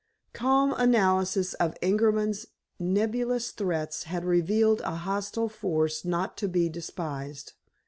Calm analysis of Ingerman's nebulous threats had revealed a hostile force not to be despised.